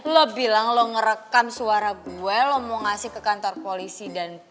lo bilang lo ngerekam suara gue lo mau ngasih ke kantor polisi dan